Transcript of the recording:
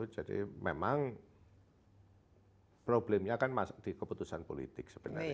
jadi memang problemnya kan masuk di keputusan politik sebenarnya ya